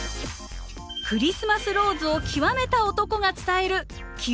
クリスマスローズを極めた男が伝える極めの道！